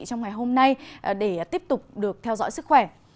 trong ngày hôm nay để tiếp tục được theo dõi sức khỏe